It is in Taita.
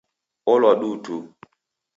Olwa duu tu.